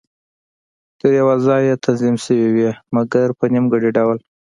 تر یوه ځایه تنظیم شوې وې، مګر په نیمګړي ډول.